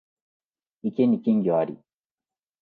池に金魚あり